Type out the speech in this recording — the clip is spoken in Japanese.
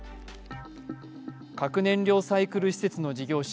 核燃料サイクル施設の事業者